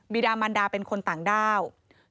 ๑บิดามัณฑาเป็นคนต่างด้าว